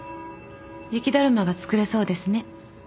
雪だるまが作れそうですね。